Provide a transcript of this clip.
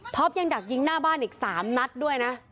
ยังดักยิงหน้าบ้านอีก๓นัดด้วยนะ